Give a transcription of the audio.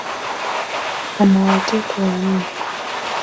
Ana watoto wanne.